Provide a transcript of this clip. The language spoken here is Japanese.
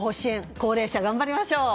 高齢者、頑張りましょう！